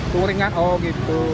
turingan oh gitu